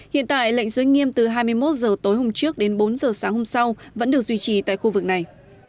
hiện tại lệnh giới nghiêm từ hai mươi một h tối hôm trước đến bốn h sáng hôm sau vẫn được duy trì tại khu vực này